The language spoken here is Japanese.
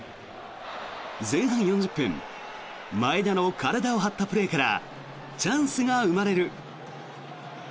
前半４０分前田の体を張ったプレーからチャンスが生まれる。